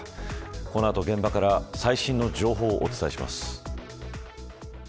この後、現場から最新の情報をお伝えします。